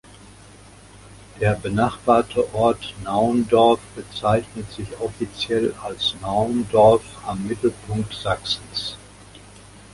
Der benachbarte Ort Naundorf bezeichnet sich offiziell als "Naundorf am Mittelpunkt Sachsens".